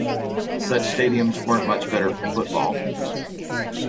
Such stadiums weren't much better for football.